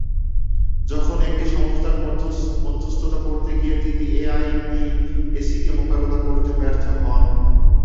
যখন একটি সমঝোতার মধ্যস্থতা করতে গিয়ে তিনি এআইপিএসিকে মোকাবিলা করতে ব্যর্থ হন।